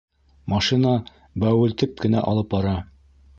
Машина бәүелтеп кенә алып бара.